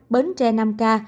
bến tre năm ca